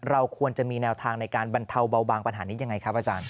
เราควรจะมีแนวทางในการบรรเทาเบาบางปัญหานี้ยังไงครับอาจารย์